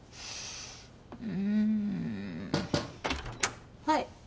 うんはい